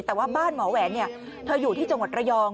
แต่ว่าบ้านหมอแหวนเธออยู่ที่จังหวัดระยอง